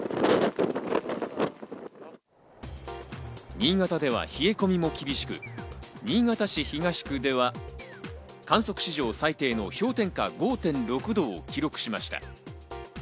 新潟では冷え込みも厳しく、新潟市東区では、観測史上最低の氷点下５．６度を記録しました。